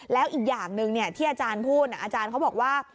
แล้วอีกอย่างหนึ่งที่อาจารย์พูดอาจารย์เขาบอกว่า